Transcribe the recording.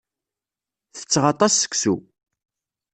Tetteɣ aṭas seksu.